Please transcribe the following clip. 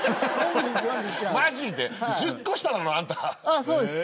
ああそうです。